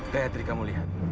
gayatri kamu lihat